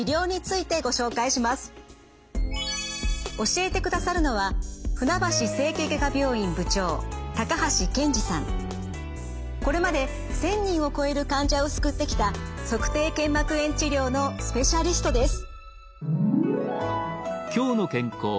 教えてくださるのはこれまで１，０００人を超える患者を救ってきた足底腱膜炎治療のスペシャリストです。